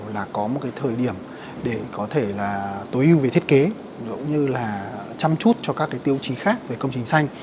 là có một thời điểm để có thể tối ưu về thiết kế giống như là chăm chút cho các tiêu chí khác về công trình xanh